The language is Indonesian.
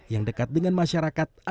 yang dekat dengan masyarakat